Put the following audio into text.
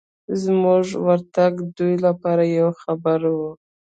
زموږ ورتګ دوی لپاره یو خبر و.